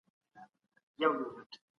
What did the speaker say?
اسلامي اقتصاد د صفا او شفافیت نظام دی.